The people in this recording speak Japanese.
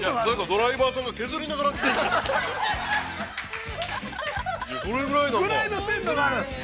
◆ドライバーさんが、削りながら、来てるんじゃないですか。